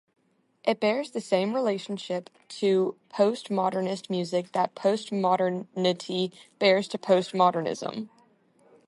It bears the same relationship to postmodernist music that postmodernity bears to postmodernism.